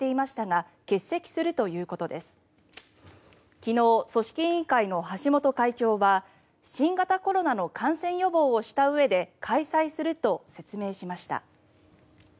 昨日、組織委員会の橋本会長は新型コロナの感染予防をしたうえで開催すると説明しました。